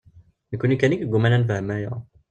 D nekkni kan i yeǧǧuman ad nefhem aya.